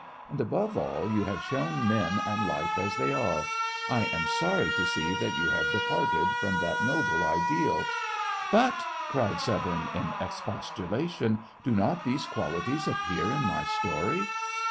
And, above all, you have shown men and life as they are. I am sorry to see that you have departed from that noble ideal." "But," cried Severne, in expostulation, "do not these qualities appear in my story?"